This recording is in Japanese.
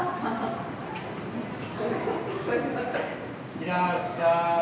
いらっしゃい。